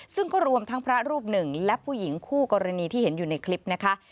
ซึ่งก็รวมทั้งพระรูปหนึ่งและผู้หญิงคู่กรณีที่เห็นอยู่ในคลิปนะคะ